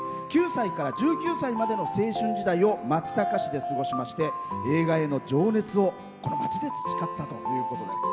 ９歳から１９歳までの青春時代を松阪市で過ごしまして映画への情熱をこの町で培ったということです。